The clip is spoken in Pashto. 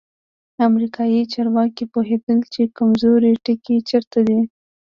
امریکایي چارواکي پوهېدل چې کمزوری ټکی چیرته دی.